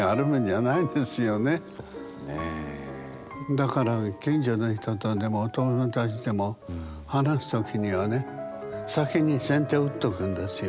だから近所の人とでもお友達でも話すときにはね先に先手打っとくんですよ。